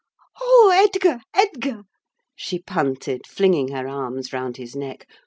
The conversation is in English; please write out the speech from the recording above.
"Oh, Edgar, Edgar!" she panted, flinging her arms round his neck.